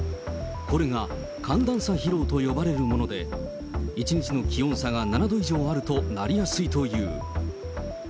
これが寒暖差疲労と呼ばれるもので、１日の気温差が７度以上あるとなりやすいという。